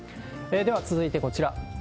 では続いて、こちら。